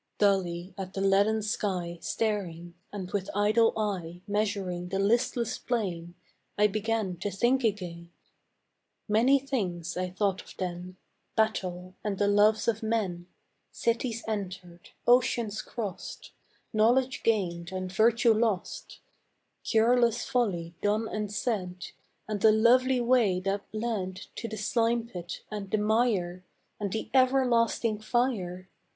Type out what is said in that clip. Dully at the leaden sky Staring, and with idle eye Measuring the listless plain, I began to think again. Many things I thought of then, Battle, and the loves of men, Cities entered, oceans crossed, Knowledge gained and virtue lost, Cureless folly done and said, And the lovely way that led To the slimepit and the mire And the everlasting fire.